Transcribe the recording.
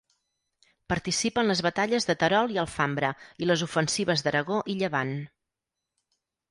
Participa en les batalles de Terol i Alfambra i les ofensives d'Aragó i Llevant.